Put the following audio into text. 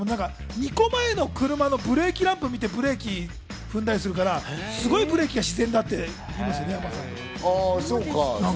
２個前の車のブレーキランプを見てブレーキを踏んだりするから、すごいブレーキが自然だって話ですよね、山さん。